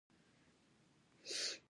دوی کتابتونونه جوړوي.